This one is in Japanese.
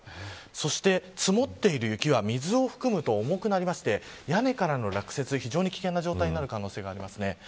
そして積もっている雪は水を含むと重くなって、屋根からの落雪非常に危険な状態になる可能性があります。